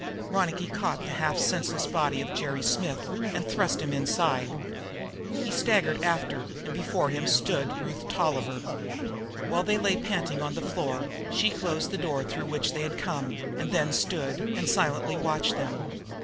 Ronicky caught the half senseless body of Jerry Smith and thrust him inside. He himself staggered after, and before him stood Ruth Tolliver! While he lay panting on the floor, she closed the door through which they had come and then stood and silently watched them.